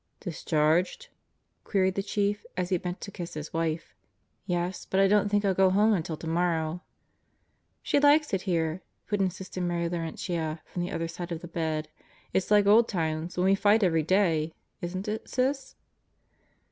"Discharged?" queried the Chief as he bent to kiss his wife. "Yes, but I don't think I'll go home until tomorrow." "She likes it here," put in Sister Mary Laurentia from the other side of the bed. "It's like old times when we fight every day, isn't it, Sis?"